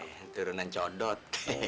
iya turunan codot